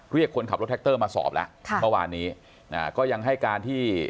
คนขับรถแท็กเตอร์มาสอบแล้วค่ะเมื่อวานนี้ก็ยังให้การที่